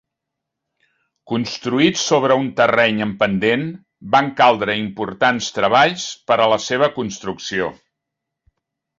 Construït sobre un terreny en pendent, van caldre importants treballs per a la seva construcció.